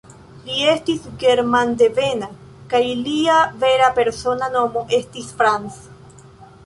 Li estis germandevena, kaj lia vera persona nomo estis "Franz".